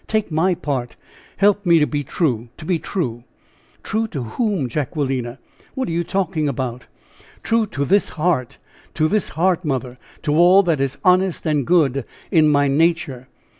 take my part! help me to be true! to be true!" "True to whom, Jacquelina? What are you talking about?" "True to this heart to this heart, mother! to all that is honest and good in my nature."